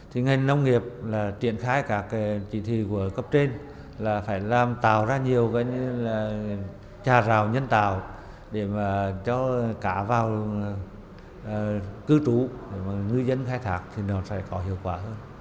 thì ngành nông nghiệp đã chỉ đào cho người dân phải thay đổi các nghề nghiệp để khai thác cao hiệu quả